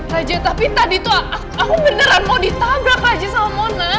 aja tapi tadi tuh aku beneran mau ditabrak aja sama mona